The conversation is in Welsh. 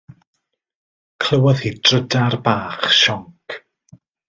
Clywodd hi drydar bach sionc.